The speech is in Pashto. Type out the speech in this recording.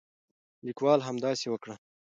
لیکوال همداسې وکړل.